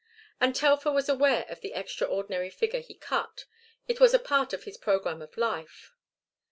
And Telfer was aware of the extraordinary figure he cut; it was a part of his programme of life.